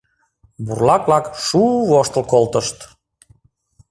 Бурлак-влак шу-у воштыл колтышт.